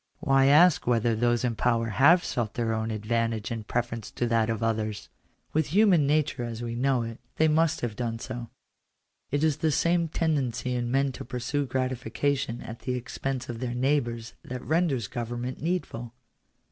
Why ask whether those in power have sought their own advantage in preference to that of others? With human nature as we know it, they must have done so. It is this same tendency in men to pursue gratification at the expense of their neighbours that renders government needful.